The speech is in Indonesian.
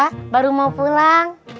kalau saya baru mau pulang